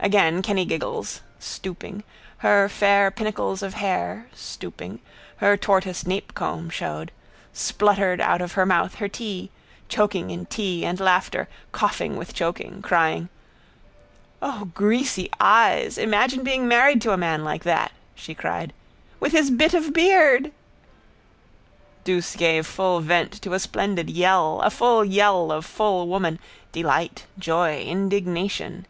Again Kennygiggles, stooping, her fair pinnacles of hair, stooping, her tortoise napecomb showed, spluttered out of her mouth her tea, choking in tea and laughter, coughing with choking, crying: —O greasy eyes! Imagine being married to a man like that! she cried. With his bit of beard! Douce gave full vent to a splendid yell, a full yell of full woman, delight, joy, indignation.